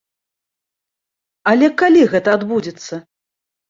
Але калі гэта адбудзецца?